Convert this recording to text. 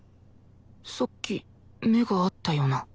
さっき目が合ったよな